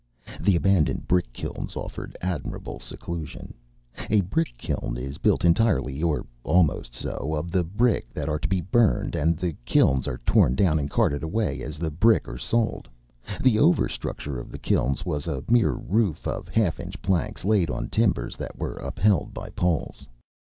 The abandoned brick kilns offered admirable seclusion. A brick kiln is built entirely, or almost so, of the brick that are to be burned, and the kilns are torn down and carted away as the brick are sold. The over structure of the kilns was a mere roof of half inch planks laid on timbers that were upheld by poles.